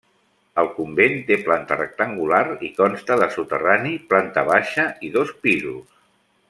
El convent té planta rectangular i consta de soterrani, planta baixa i dos pisos.